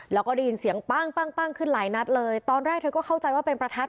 ในเสียงบ้างบ้างขึ้นหลายนัดเลยแอของเข้าใจว่าเป็นประทับ